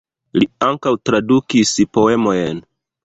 Li ankaŭ tradukis poemojn.